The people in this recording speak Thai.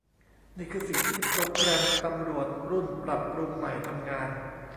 นี่คือสิ่งที่โปรแกรมตำรวจรุ่นปรับปรุงใหม่ทำงาน